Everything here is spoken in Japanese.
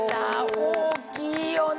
大きいよね！